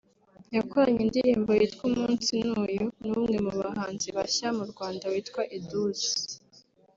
yakoranye indirimbo yitwa “Umunsi Ni Uyu” n’umwe mu bahanzi bashya mu Rwanda witwa Edouce